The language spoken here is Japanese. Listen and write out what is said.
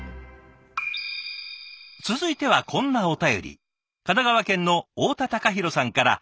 続いてはこんなお便り。